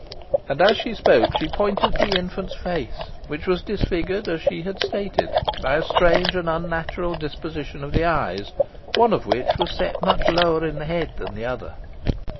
And as she spoke she pointed to the infant's face, which was disfigured as she had stated, by a strange and unnatural disposition of the eyes, one of which was set much lower in the head than the other.